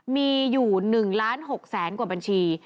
มีอยู่๑ล้าน๖แสนกว่าบัญชี